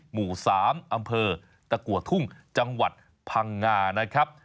หมู่๓อำเภอตะกัวทุ่งจังหวัดพังงานะครับ